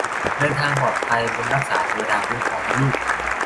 เดินทางปลอดภัย บุญรักษาเทวดาคุ้มครองนะลูก